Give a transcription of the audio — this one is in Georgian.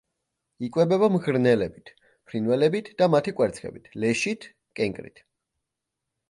იკვებება მღრღნელებით, ფრინველებით და მათი კვერცხებით, ლეშით, კენკრით.